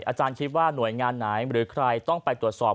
อาจารย์คิดว่าหน่วยงานไหนหรือใครต้องไปตรวจสอบ